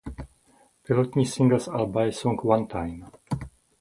Pilotní singl z alba je song "One Time".